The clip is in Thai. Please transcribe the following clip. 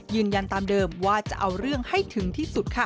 ยืนยันตามเดิมว่าจะเอาเรื่องให้ถึงที่สุดค่ะ